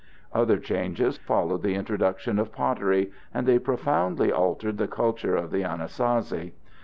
Other changes followed the introduction of pottery, and they profoundly altered the culture of the Anasazi.